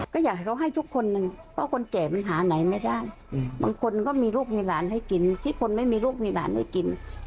ก็อยากให้เค้าให้ทุกคนหนึ่งเพราะคนแจ่ปัญหาไหนไม่ได้